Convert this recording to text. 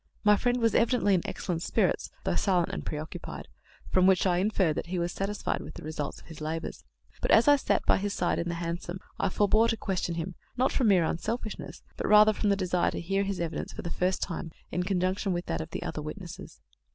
My friend was evidently in excellent spirits, though silent and preoccupied, from which I inferred that he was satisfied with the results of his labours; but, as I sat by his side in the hansom, I forbore to question him, not from mere unselfishness, but rather from the desire to hear his evidence for the first time in conjunction with that of the other witnesses.